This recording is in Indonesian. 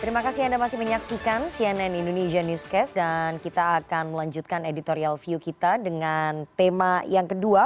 terima kasih anda masih menyaksikan cnn indonesia newscast dan kita akan melanjutkan editorial view kita dengan tema yang kedua